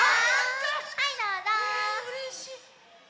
はいどうぞ。